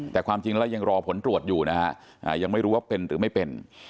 แต่ความจริงแล้วยังรอผลตรวจอยู่นะฮะยังไม่รู้ว่าเป็นหรือไม่เป็น